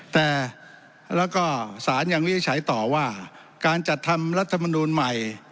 แล้วก็สารอย่างวิทย์ใช้ต่อว่าการจัดทำรัฐมนุนใหม่